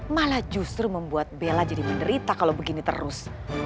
malah justru membuat bella jadi menderita kalau begini terus